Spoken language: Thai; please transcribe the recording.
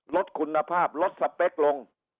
ลดคุณภาพลดสเปคลง